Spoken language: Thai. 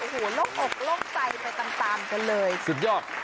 โอ้โหโล่งอกโล่งใจไปตามตามกันเลยสุดยอด